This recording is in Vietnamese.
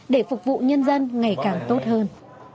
để phục vụ nhân dân ngày càng tốt hơn